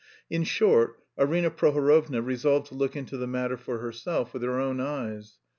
In short, Arina Prohorovna resolved to look into the matter for herself, with her own eyes.